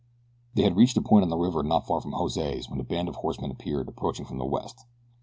They had reached a point on the river not far from Jose's when a band of horsemen appeared approaching from the west.